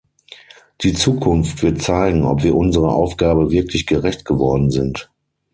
Die Zukunft wird zeigen, ob wir unserer Aufgabe wirklich gerecht geworden sind.